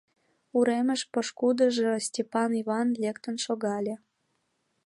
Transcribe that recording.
Уремыш пошкудыжо Стапан Йыван лектын шогале.